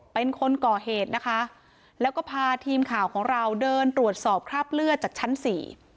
เป็นคนก่อเหตุนะคะแล้วก็พาทีมข่าวของเราเดินตรวจสอบคราบเลือดจากชั้นสี่